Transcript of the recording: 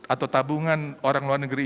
atau tabungan orang luar negeri